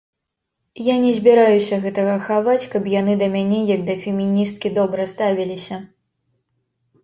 Я не збіраюся гэтага хаваць, каб яны да мяне як да феміністкі добра ставіліся.